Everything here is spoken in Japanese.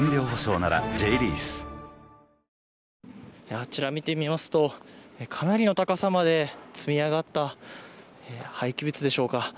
あちら、見てみますとかなりの高さまで積み上がった廃棄物でしょうか。